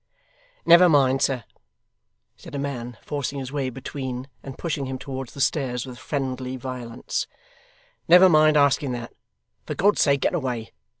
'Never mind, sir,' said a man, forcing his way between and pushing him towards the stairs with friendly violence, 'never mind asking that. For God's sake, get away.